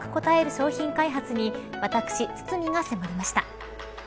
商品開発に私、堤が迫りました。